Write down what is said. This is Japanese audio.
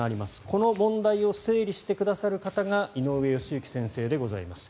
この問題を整理してくださる方が井上義行先生でございます。